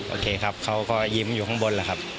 โอเคครับเขาก็ยิ้มอยู่ข้างบนแหละครับ